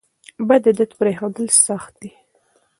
بد عادت پریښودل سخت دي.